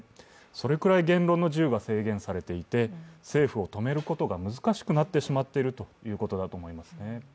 それくらい言論の自由が制限されていて政府を止めることが難しくなってしまっているということだと思います。